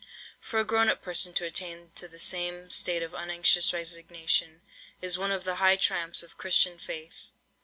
For a grown up person to attain to the same state of unanxious resignation, is one of the high triumphs of Christian faith.